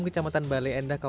kecamatan balai endah